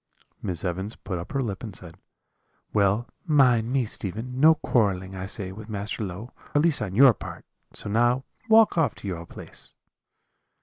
"Miss Evans put up her lip and said: "'Well, mind me, Stephen, no quarrelling, I say, with Master Low, at least on your part; so now walk off to your place.'